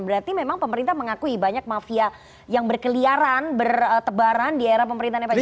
berarti memang pemerintah mengakui banyak mafia yang berkeliaran bertebaran di era pemerintahnya pak jokowi